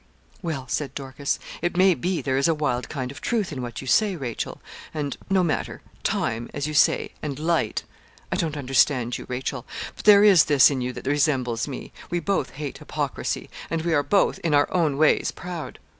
'Well,' said Dorcas, 'it may be there is a wild kind of truth in what you say, Rachel, and no matter time, as you say, and light I don't understand you, Rachel; but there is this in you that resembles me we both hate hypocrisy, and we are both, in our own ways, proud.